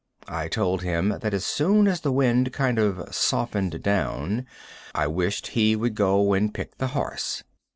I told him that as soon as the wind kind of softened down, I wished he would go and pick the horse.